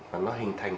và nó hình thành